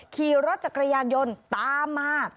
ขี่รถจักรยานยนต์ตามมา